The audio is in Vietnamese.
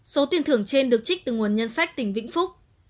số tiền thường trên được trích từ nguồn nhân sách tỉnh vĩnh phúc